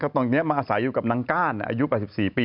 ตอนนี้มาอาศัยอยู่กับนางก้านอายุ๘๔ปี